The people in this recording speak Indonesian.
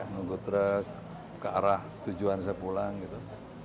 nunggu truk ke arah tujuan saya pulang gitu